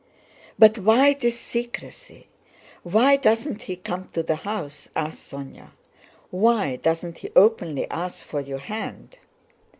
"But why this secrecy? Why doesn't he come to the house?" asked Sónya. "Why doesn't he openly ask for your hand?